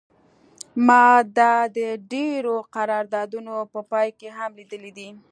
ما دا د ډیرو قراردادونو په پای کې هم لیدلی دی